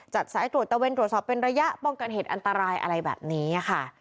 สายตรวจตะเวนตรวจสอบเป็นระยะป้องกันเหตุอันตรายอะไรแบบนี้ค่ะ